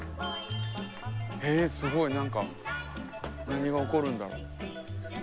えすごい何か何が起こるんだろう。